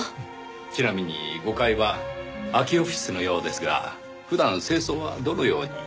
ちなみに５階は空きオフィスのようですが普段清掃はどのように？